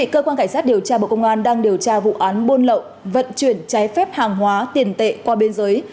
cơ quan cảnh sát điều tra bộ công an đang điều tra vụ án buôn lậu vận chuyển trái phép hàng hóa tiền tệ qua biên giới